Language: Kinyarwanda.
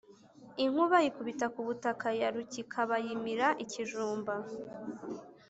Inkuba ikubita ku butaka ya Rukikabayimira-Ikijumba.